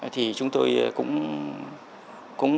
thì chúng tôi cũng